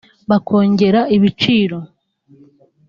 bakongera ibiciro